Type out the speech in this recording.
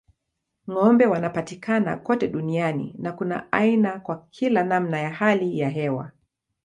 Ng'ombe wanapatikana kote duniani na kuna aina kwa kila namna ya hali ya hewa.